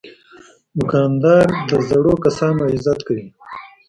دوکاندار د زړو کسانو عزت کوي.